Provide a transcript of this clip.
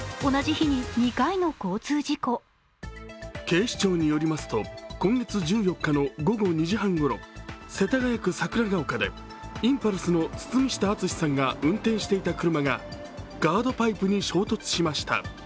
警視庁によりますと今月１４日の午後２時半ごろ、世田谷区桜丘でインパルスの堤下敦さんが運転していた車がガードパイプに衝突しました。